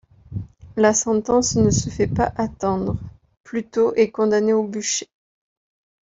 La sentence ne se fait pas attendre, Pluto est condamné au bûcher.